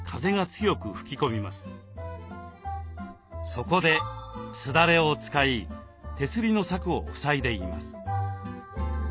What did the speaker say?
そこですだれを使い手すりの柵を塞いでいます。